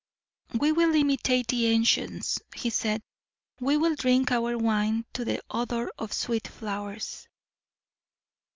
"We will imitate the ancients," he said; "we will drink our wine to the odor of sweet flowers."